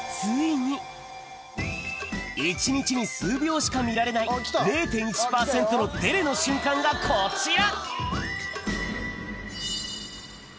一日に数秒しか見られない０．１％のデレの瞬間がこちら